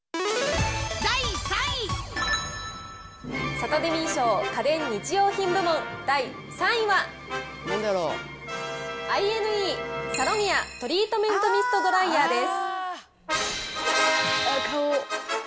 サタデミー賞、家電・日用品部門第３位は、Ｉーｎｅ、サロニアトリートメントミストドライヤーです。